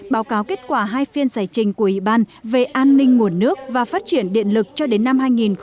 báo cáo kết quả hai phiên giải trình của ủy ban về an ninh nguồn nước và phát triển điện lực cho đến năm hai nghìn hai mươi